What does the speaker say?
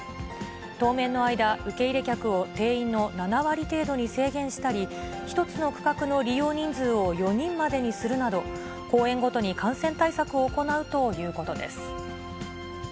当面の間、受け入れ客を定員の７割程度に制限したり、１つの区画の利用人数を４人までにするなど、公園ごとに感染対策を行うということです。